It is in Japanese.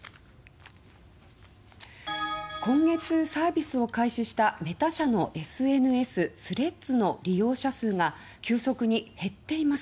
今月サービスを開始したメタ社のＳＮＳ・スレッズの利用者数が急速に減っています。